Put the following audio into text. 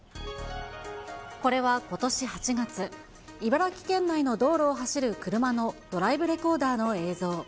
これはことし８月、茨城県内の道路を走る車のドライブレコーダーの映像。